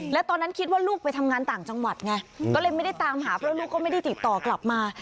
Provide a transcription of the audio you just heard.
แล้วตอนนั้นคิดว่าลูกไปทำงานต่างจังหวัดไงก็เลยไม่ได้ตามหาเพราะลูกก็ไม่ได้ติดต่อกลับมา